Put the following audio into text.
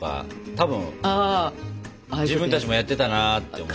多分自分たちもやってたなって思った。